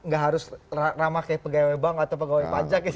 gak harus ramah kayak pegawai bank atau pegawai pajak ya